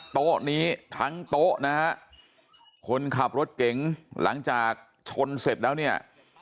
โต๊ะนี้ทั้งโต๊ะนะฮะคนขับรถเก๋งหลังจากชนเสร็จแล้วเนี่ย